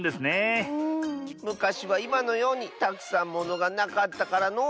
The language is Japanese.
むかしはいまのようにたくさんものがなかったからのう。